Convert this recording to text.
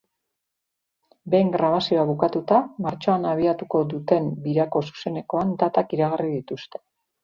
Behin grabazioa bukatuta, martxoan abiatuko duten birako zuzenekoen datak iragarri dituzte.